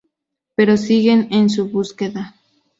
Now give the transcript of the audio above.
Pero siguen en su búsqueda.